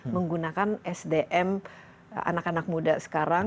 menggunakan sdm anak anak muda sekarang